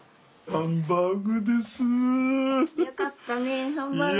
ハンバーグだよ。